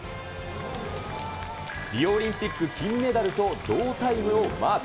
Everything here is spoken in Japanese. リオオリンピック金メダルと同タイムをマーク。